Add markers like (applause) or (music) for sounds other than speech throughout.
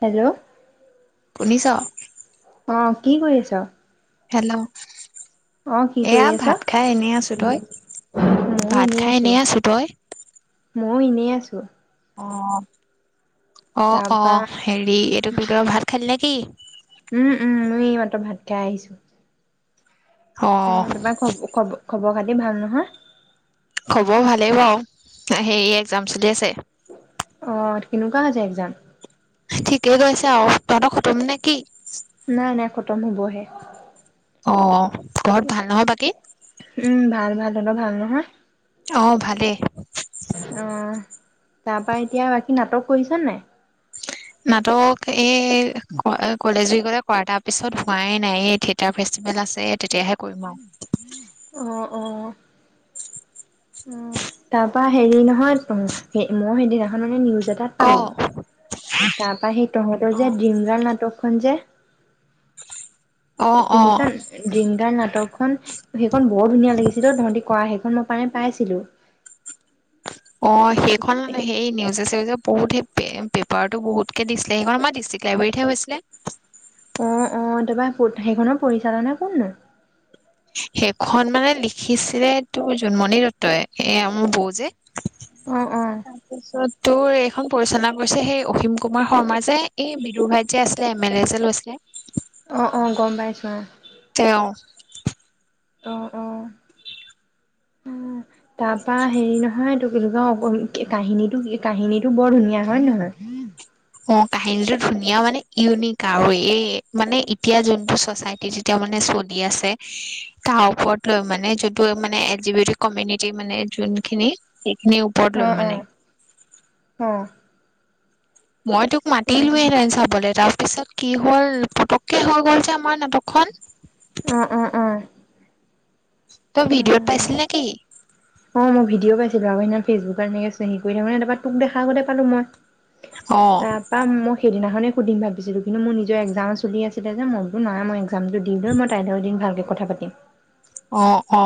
Hello শুনিছ। অ কি কৰিছ। হেল্ল'। কৰি এয়া আছ? ভাত খাই এনেই আছোঁ তই ময়ো ভাত খাই আছো। এনেই আছোঁ তই। ময়ো এনেই আছোঁ। অ অ অ তাৰপা হেৰি, এইটো কি কয় ভাত খালি নেকি? উম উম মই এইমাত্ৰ খাই আহিছোঁ। এ অ', তোমাৰ খ খব খবৰ খাতি ভাল নহয়। খব ভালেই বাউ, সেই একজাম চলি আছে। অ কেনেকুৱা হৈছে একজাম? ঠিকেই গৈছে আও তহঁত খতম নে কি? নাই নাই খতম হবহে। অ ঘৰত ভাল নহয় বাকী? উম ভাল ভাল তহঁতৰ ভাল নহয়? অহ ভালেই। তাৰ পৰাা এতিয়া বাকী নাটক কৰিছ নাই? নাটক এই কলেজ উইকেটতে কৰা, তা পিছত হোৱাই নাই এই থিয়েটাৰ ফেষ্টিভেল আছে তেতিয়াহে কৰিম আৰু অহ অ। অ তাৰপা হেৰি নহয় অ স মই সেইদিনা ভানুমে নিওজ এটাত ক? পালোঁ। তাৰপা সি তহঁতৰ যে ড্ৰিমৰ্গাল নাটক। খন যে। অ', অ', শুনিছান ড্ৰিমগাল নাটক- সোণ ভে বৰ ধুনীয়া লাগিছিল, তহঁতি কৰা সেইখন মই পাই পাইছিলো। অ সেইখন সেই, নিউজে চিউজে বহুত সেই পেপাৰত বহুতকে দিছিলে, সেইখন আমাৰ ডিষ্ট্ৰিক্ট লাইব্ৰেৰীতহে হৈছিলে। অ অ তাৰপৰা, কত সেইখনৰ পৰিচালনা কোননো? সেইখন মানে লিখিছিলে তোৰ জোনমণি দত্তই এয়া মোৰ বৌ যে। অ অ তাৰপিছত - তোৰ এইখন পৰিচালনা কৰিছে সেই অসীম কুমাৰ শৰ্মা যে, এই বিদুৰ ভাইত যে আছিলে এম এল এ যে লৈছিলে আহ অ গম পাইছোৱা। তেওঁ অ' অ' অ তাৰপা হেৰি নহয় এইটো কি বুলি কয় কাহিনীটো কাহিনীটো বৰ ধুনীয়া, হয় নহয়? অ কাহিনীটো ধুনীয়া মানে ইউনিক আৰু এই মানে এতিয়া যোনটো চচাইটি যেতিয়া মানে চলি আছে তাৰ ওপৰত লৈ মানে যোনটো মানে একজিৱেটেড কমিউনিটি মানে যোনখিনি। এনে ওপৰত অ লৈ অ মানে। অ মই তোক মাতিলোয়েহেতেন চাবলে তা পিছত কি হ'ল পটককে হৈ গ'ল যে আমাৰ নাটকখন অ অ অ তই ভিডিঅত পাইছিল নেকি অ মই ভিডিঅ' পাইছিলো আৰু সেইদিনা ফেচবুক কাৰণে হেৰি কৰি থাকুতে তাপা তোক দেখা আগতে পালো মই অ', তাপা মোক সেইদিনা অথনি সুধিম ভাবিছিলো কিন্তু মোৰ নিজৰ এক্সাম চলি আছিলে যে মই বোলো না মই এক্সাম দি লও মই তাইৰ এদিন ভালকে কথা পাতিম অ অ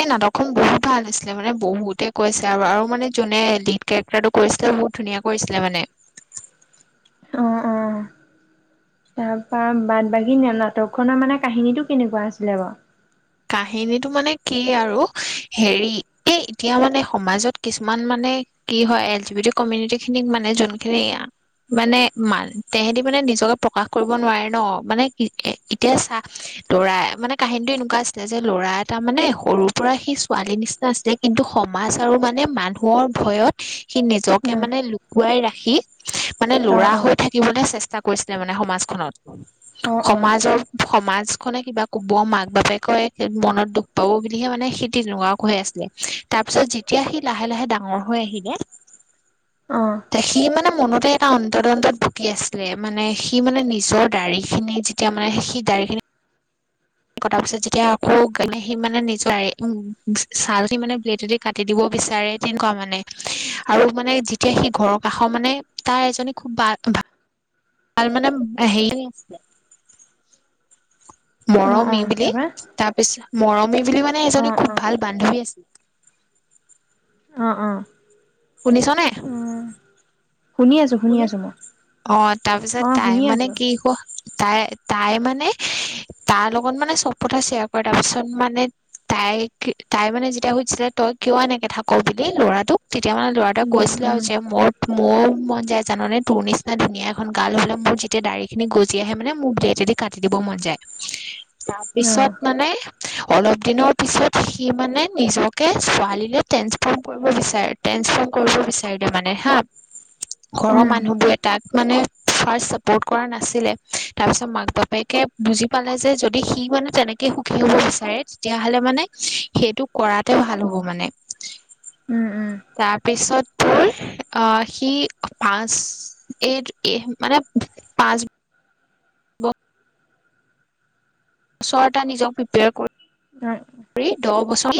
এই নাটকখন বহুত ভাল আছিলে মানে বহুতে কৈছে আৰু আৰু মানে যোনে লীড কেৰেক্টাৰটো কৰিছিলে বহুত ধুনীয়া কৰিছিলে মানে তাপা বাদবাকী নাটক খনৰ মানে কাহিনীটো কেনেকুৱা আছিলে বা কাহিনীটো মানে কি আৰু হেৰি এই এতিয়া মানে সমাজত কিছুমান মানে কি হয় L G B T community খিনিক মানে যোনখিনি মানে ম তেহেতি মানে নিজকে প্ৰকাশ কৰিব নোৱাৰে ন মানে এতিয়া চাহ দৌৰা মানে কাহিনীটো এনেকুৱা এতিয়া যে ল'ৰা এটা মানে সৰুৰ পৰা সি ছোৱালীৰ নিচিনা আছিলে কিন্তু সমাজ আৰু মানে মানুহৰ ভয়ত সি নিজকে উম, মানে লো লুকুৱাই ৰাখি মানে অ', লৰা হৈ অ', থাকিবলে চেষ্টা চেষ্টা কৰিছিলে মানে সমাজখনত অ', অ'। সমাজৰ সমাজ খনে কিবা কব মাক বাপে কয় মনত দুখ পাব বুলিহে মানে সি তেনেকুৱা কৈ আছিলে তাৰ পিছত যেতিয়া সি লাহে লাহে ডাঙৰ হৈ আহিলে অ', সি মানে মনতে এটা অন্তত অন্তত ভূকি আছিলে মানে সি মানে নিজৰ দাড়িখিনি যেতিয়া মানে সি দাড়ি খিনি ক তাৰ পিছত যেতিয়া আকৌ কালি সি মানে নিজৰ ছাল দি মানে ব্লেডদি কাটি দিব বিচাৰে তেনেকুৱা মানে আৰু মানে যেতিয়া সি ঘৰৰ কাষৰ মানে তাৰ এজনী খুব ভাল ভাল ভাল মানে হেৰি আ মৰম অ', তুমি অ', বুলি তাৰপা? তাৰ পিছত মৰম আমি বুলি মানে এজনী অ', খুব অ'। ভাল বান্ধৱী আছিল অ অ শুনিছ নে শুনি আছোঁ, শুনি আছোঁ ছো মই। অ তাৰপিছত অ', তাই শুনি মানে আছোঁ। কি ক তাই তাই মানে হে তাৰ লগত মানে চব কথা শ্বেয়াৰ কৰে তাৰ পাছত মানে তাইক তাই মানে যেতিয়া সুধিছিলে তই কিয় এনেকে থাক বুলি ল'ৰাটোক তেতিয়া মানে ল'ৰাটোৱে উম, কৈছিলে আৰু উম, যে মোৰ মোৰ মানে যে জাননে তোৰ নিচিনা ধুনীয়া এখন গাল হলে মোৰ যেতিয়া ড়াৰি খিনি গজি আহে মানে মোৰ ব্লেটদি কাটি দিব মন যায় তাৰপিছত অ', মানে অলপ দিনৰ পিছত সি মানে নিজকে ছোৱালীলৈ ট্ৰেন্সফৰ্ম কৰিব বিচাৰে ট্ৰেন্সফৰ্ম কৰিব বিচাৰিলে মানে হা ঘৰৰ উম, মানুহবোৰে তাক মানে ফাৰ্ষ চাপৰ্ট কৰা নাছিলে তাৰ পিছত মাক বাপেকে বুজি পালে যে যদি সি মানে তেনেকে সুখী হ'ব বিচাৰে তেতিয়াাহলে মানে সেইটো কৰাতে ভাল হ'ব মানে উম, উম, তাৰপিছত োৰ আহ সি পাঁচ এই-এই মানে পাঁচ ওচৰ এটা নিজেক প্ৰিপেয়াৰ কৰি উ দহ বছৰ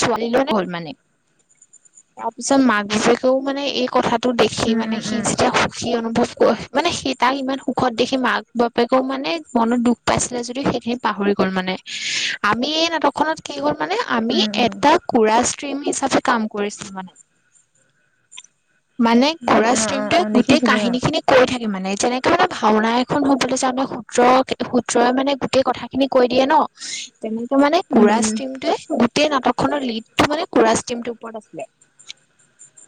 ছোৱালী লৈ হল মানে, তাৰপিছত মাক বাপেকেকেও মানে এই কথা টো দেখি উম, মানে উম, সি উম। যেতিয়া সি অনুভৱ ক মানে সেই তাক ইমান সুখত দেখি মাক বাপেকেও মানে মনত দুখ পাইছিলে যদিও সেইখিনি পাহৰি গল মানে আমি এই নাটক খত কি হ'ল মানে আমি উম, উম, এটা কুৰা ষ্ট্ৰীম হিচাপে কাম কৰিছিলো মানে। মানে উম, কৰা অ', অ', ষ্টিমটোত অ', গোটেই দেখিছিলোঁ কাহিনী অ', খিনি কৈ থাকে মানে যেনেক মানে ভাওনা এখন হবলৈ যাওঁ মে সূত্ৰ-সূত্ৰই মানে গোটেই কথা খিনি কৈ দিয়ে ন, তেনেকে মানে উম, কুৰা উম, ষ্টিমটোৱে গোটেই নাটক খনৰ লিডটো মানে কুৰা ষ্টিমটোৰ ওপৰত আছিলে।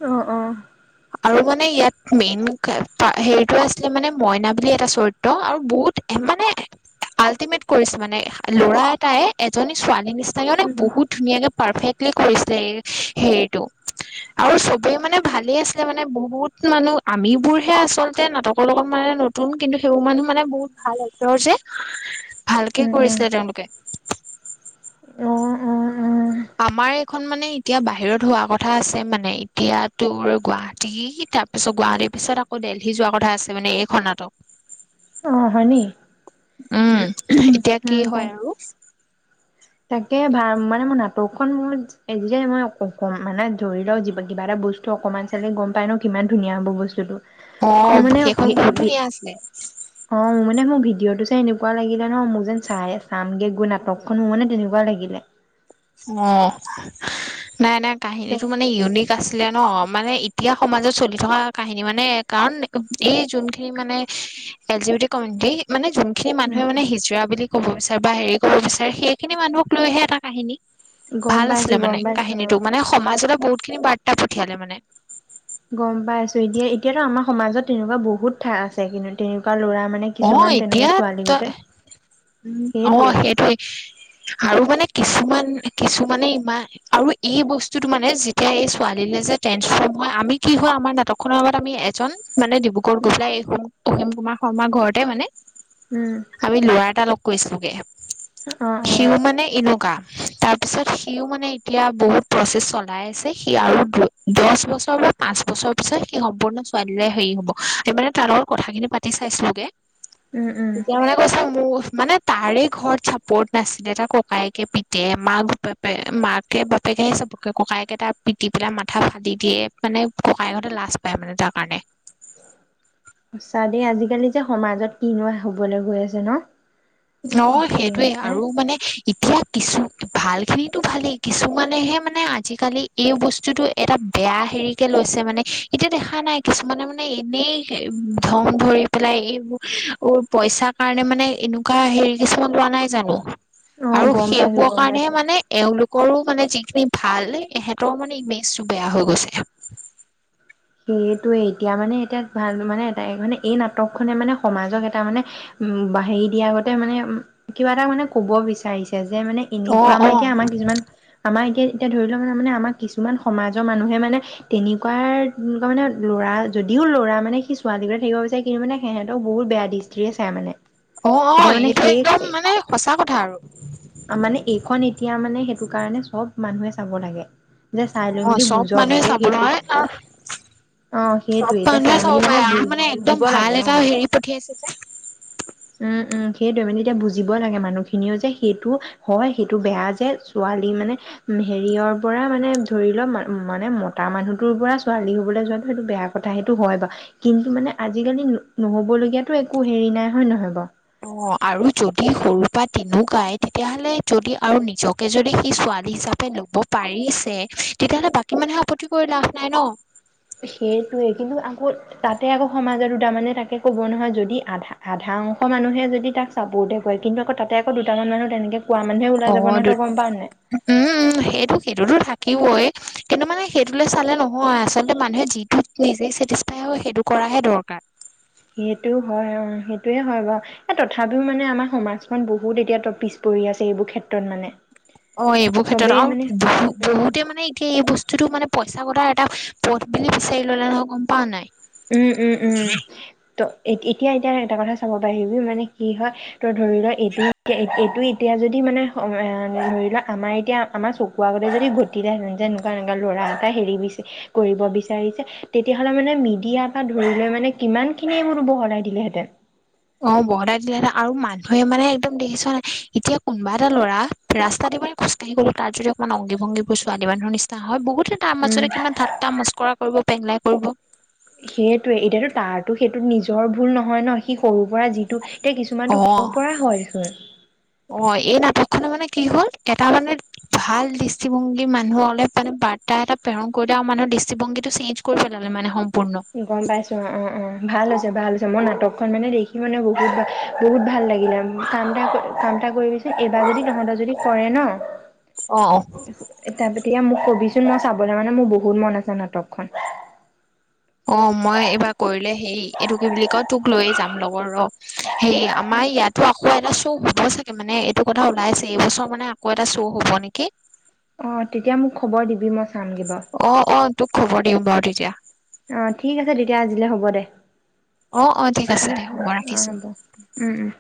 অঁ-অঁ আৰু মানে ইয়াত মেইন হেৰিটো আছিলে মানে মইনা বুলি এটা চৰিত্ৰ, আৰু বহুত মানে আল্টিমেট কৰিছে মানে ল'ৰা এটাই এজনী ছোৱালী নিচিনাকে মানে উম। বহুত ধুনীয়াকে পাৰফেক্টলি কৰিছিলে এই হেৰিটো। আৰু চবেই মানে ভালেই আছিলে যে মানে বহুত মানুহ আমিবোৰহে আচলতে নাটকৰ লগত মানে নতুন কিন্তু সেইবোৰ মানুহ মানে বহুত ভাল এক্টৰ যে ভালকে উম উম কৰিছিলে তেওঁলোকে। অ অ অ আমাৰ এইখন মানে এতিয়া বাহিৰত হোৱা কথা আছে মানে এতিয়া তোৰ গুৱাহাটী তাৰপিছত গুৱাহাটীৰ পিছত আকৌ দেলহি যোৱা কথা আছে মানে এইখন নাটক। অ হয়নি? উম এতিয়া কি হয় আৰু। তাকে ভাল মানে মোৰ নাটকখন মইজি (unintelligible) মানে ধৰি লও কিবা এটা বস্তু অকমান চালে গম পাই ন কিমান ধুনীয়া হ'ব বস্তুতটো। অ সেইখন বহুত ধুনীয়া আছিলে। ভিডিঅ' টো চাই এনেকুৱা লাগিলে ন মোৰ যেন চাই চামগে গৈ নাটকখন মোৰ মানে (unintelligible) লাগিলে অহ নাই নাই কাহিনীটো মানে ইউনিক আছে। আছিলে ন মানে এতিয়া সমাজত চলি থকা কাহিনী মানে কাৰণ এই যোনখিনি মানে L G B T committee মানে যোনখিনি উম মানুহে মানে হিজিৰা বুলি ক'ব বিচাৰ বা হেৰি কব বিচাৰে সেইখিনি মানুহক লৈহে এটা কাহিনী। গম ভাল পাইছো আছিলে গম মানে পাইছো কাহিনীটো মানে সমাজতে বহুত খিনি বাত পঠিয়ালে মানে। গম পাই আছো এতিয়া-এতিয়াতো আমাৰ সমাজত তেনেকুৱা বহুত ঠাই আছে কিন্তু তেনেকুৱা ল'ৰা মানে অ কিছুমান তেনেকে এতিয়া ছোৱালী তই, গতে উম, অহ সেইটোৱেই সেইটোৱে আৰু মানে কিছুমান-কিছুমানে ইমান, আৰু এই বস্তুতো মানে যেতিয়া এই ছোৱালীলৈ যে ট্ৰেন্ঞ্চফৰ্ম হয় আমি কি হয় আমাৰ নাটকখনৰ আগত আমি এজন মানে ডিব্ৰগড় গৈ পেলাই এইসমূহ প্ৰেম কুমাৰ শৰ্মা ঘৰতে মানে উম উম আমি লৰা এটা লগ কৈছিলোগে অ অ সিও মানে এনক তাৰ পিছত সিও মানে এতিয়া বহুত প্ৰচেছ চলাই আছে সি আৰু দু দহ বছৰ বা পাঁচ বছৰৰ পিছত সি সম্পূৰ্ণ ছোৱালীৰে হেৰি হব সেই মানে তাৰ লগত কথাখিনি পাতি চাইছিলেগে? উম উম তেতিয়া মানে কৈছা মোৰ। মানে তাৰে ঘৰত চাপৰ্ট নাছিলে তাৰ ককায়েকে পিতে মাক বাপে মাকে বাপেকেহে চাপৰ্ট কৰে ককায়েকে তাৰ পিতি পেলাই মাথা ফালি দিয়ে মানে ককায়েকহতে লাজ পায় মানে তাৰ কাৰণে? চা দেই আজিকালি যে সমাজত কিনো হবলৈ গৈ আছে ন। ন তাকে সেইটোয়ে পাই আৰু মানে। এতিয়া কিছু ভালখিনিতো ভালেই কিছুমানেহে মানে আজিকালি এই বস্তুটো এটা বেয়া হেৰিকে লৈছে মানে এতিয়া দেখা নাই কিছুমানে মানে এনেই ধন ভৰি পেলাই এইবোৰ পইচাৰ কাৰণে মানে এনে? কাম হেৰি কিছুমান পোৱা নাই জানো? অ আৰু গম পাইছো সেইবোৰ গম কাৰণেহে পাইছো মানে এওঁলোক? কৰো মানে যিখিনি ভাল ইহঁতৰ মানে ইমেজটো বেয়া হৈ গৈছে? সেইটোয়ে এতিয়া মানে এতিয়া ভাল মানে এটা মানে এই নাটক খনে মানে সমাজক এটা মানে উ হেৰি দিয়াৰ আগতে মানে উ কিবা এটা মানে কব বিচাৰিছে? যে', মানে এনেকুৱা অ', আমাৰ অ', এতিয়া আমাৰ কিছুমান আমাৰ। এতিয়া ধৰি লওক ম', মানে আমাৰ কিছুমান সমাজৰ মানুহে মানে তেনেকুৱাৰ? ধৰনৰ ল'ৰা যদিও ল'ৰা মানে সি ছোৱালীকোটা থাকিব বিচাৰে কিন্তু মানে সিহঁতক বহুত বেয়া দৃষ্টিৰে চাই মানে। অ', - এতিয়া অ', মানে এইটো একদম সেই মানে সঁচা কথা আৰু। মানে এইখন এতিয়া মানে সেইটো কাৰণে সব মানুহে চাব লাগে। যে চাই লৈ অ', মেলি চব বুজক মানুহে যে সেইটো চাবলৈ আঁহ ', অ', সেইটো এতিয়া চাই মেলি মানেু পাৰে আৰু মানে একদম বুজিব ভাল লাগে এটা অ', হেৰি পঠিয়াইছে যে। উম', - উম', সেইটোৱ মানে তেতিয়া বুজিব লাগে মানুহখিনিও যে সেইটো হয় সেইটো বেয়া যে ছোৱালী মানে হেৰিয়ৰ পৰা মানে ধৰি লওক মানে মতা মানুহটোৰ পৰা। ছোৱালী হ'বলৈ যোৱাতটো সেইটো বেয়া কথা সেইটো হয় বাৰু কিন্তু মানে আজিকালি নহ'বলগীয়াতো একো হেৰি নাই হয় নহয় বাৰু। অ ', আৰু যদি সৰু পৰা তিনে গায় তেতিয়াহ'লে যদি আৰু নিজকে যদি সি ছোৱালী হিচাপে ল'ব পাৰিছে তেতিয়াহলে বাকী মানুহে আপত্তি কৰি লাভ নাই ন',। সেইটয়ে কিন্তু আকৌ তাতে আকৌ সমাজৰ দুটামানে তাকে কব নহয় যদি আধা -আধা অংশ মানুহে যদি তাক চাপৰ্টে কৰে কিন্তু আকৌ তাতে আকৌ দুটামান মানুহ তেনেকে? কোৱা মানুহে ওলাই অ যাব ', নহয় দু তই গম পাৱ নাই? উম', সেইটো সেইটোতো থাকে। কিবই কিন্তু মানে সেইটো চালে নহয় আচলতে মানুহে যিটো নিজে চেটিছফাই হয় সেইটো কৰাহে দৰকাৰ। সেইটো হয় অ', সেইটোৱে হয় বাৰু এ', তথাপিও মানে আমাৰ সমাজখন বহুত এতিয়া পিছ পৰি আছে এইবোৰ ক্ষেত্ৰত মানে। অ', এইবোৰ ক্ষেত্ৰত চবেই আৰু বহু মানে -বহুতে মানে এতিয়া এই বস্তুতটো মানে। পইছা কতাৰ এটা পথ বুলি বিচাৰি ললে নহয় গম পাও নাই? উম ', -উম ', - উম ', ত', এ ', এতিয়া- এতিয়া এটা কথা চাব পাৰিবি মানে কি হয় ত ধৰি ল এইটো -এইটো এতিয়া যদি মানে ধৰি লোৱা আমাৰ এতিয়া আমাৰ চকু আগতে যদি ঘটিলেেঁন যে এনেকুৱা এনো ল'ৰা এটা হেৰি বিচ কৰিব বিচাৰিছে তেতিয়াহ'লে মানে মিড? এতিয়াৰ পৰা ধৰি লৈ মানে কিমান খিনি মোৰ বহলাই দিলেহেঁতেন। অ', বহলাই দিলে আৰু মানুহে মানে একদম দেখিছোৱা নাই এতিয়া কোনোবা এটা ল'ৰা ৰাস্তাত দ মান খোজকাঢ়ি গ'লো তাৰ যদি অকণমান অংগী ভংগী বোৰ ছোৱালী মানুহৰ নিচিনা হয় বহুত? তাৰ উম মাজতে কিমান ঠাট্টা মস্কৰা কৰিব পাৰিল নে? কব। সেইটোৱে এতিয়াতো তাৰো সেইটো নিজৰ ভুল নহয় ন। সি সৰুৰ পৰা যিটো এতিয়া কিছুমানতটো অ সৰু পৰা হয়। অ ', এই নাটক খনে মানে কি হ'ল এটা মানে ভাল দৃষ্টিভংগী মানুহ অলপ মানে বাৰ্তা এটা প্ৰেৰণ কৰি আৰু মানুহৰ দৃষ্টিভংগীটো চেঞ্জ কৰি পেলালে মানে হ। গম পাইছো অ', - অ', - অ ', ভাল হৈছে- ভাল হৈছে মই নাটক? অণ মানে দেখি মানে বহুত -বহুত ভাল লাগিলে কামটা -কামটা কৰি। এইবাৰ যদি তহঁতৰ যদি কৰে ন। অ অ তাৰ তেতিয়া মোক কবিচোন মই চাবলৈ মানে মোৰ বহুত মন আছে নাটকখন। অ মই এইবাৰ কৰিলে হে এইটো কি বুলি কয় তোক লৈয়ে যাম লগত ৰ হে আমাৰ ইয়াতো আকৌ এটা শ্ব' হব চাগে মানে এইটো কথা ওলাই আছে এইবছৰ মানে আকৌ এটা শ্ব' হব নেকি? অ'তেতিয়া মোক খবৰ দিবি সি মই চামগে বাৰু অ অ তোক খবৰ দিম বাৰু তেতিয়া। অ' ঠিক আছে তেতিয়া আজিলে হ'ব দে। অ অ ঠিক আছে উ', দে হ'ব অ ৰাখিছো। ', উম',